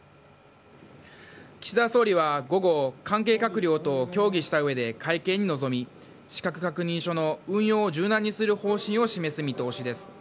岸田総理は午後関係閣僚と協議した上で会見に臨み資格確認書の運用を柔軟にする方針を示す見通しです。